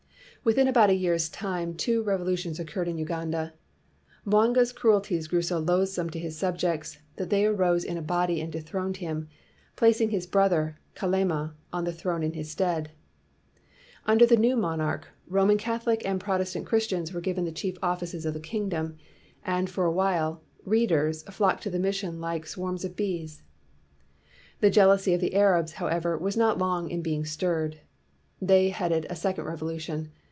Within about a year's time two revolu tions occurred in Uganda. Mwanga 's cruelties grew so loathsome to his subjects that they arose in a body and dethroned him, placing his brother, Kalema, on the throne in his stead. Under the new mon arch, Roman Catholic and Protestant Christians were given the chief offices of the kingdom, and, for a while, " readers" nocked to the mission like " swarms of 256 HE LAYS DOWN HIS TOOLS bees." The jealousy of the Arabs, how ever, was not long in being stirred. They headed a second revolution.